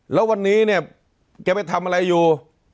แล้ววันนี้เนี่ยแกไปทำอะไรอยู่